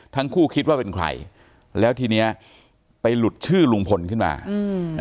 คิดว่าเป็นใครแล้วทีเนี้ยไปหลุดชื่อลุงพลขึ้นมาอืม